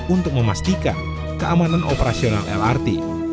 untuk memastikan keamanan operasional lrt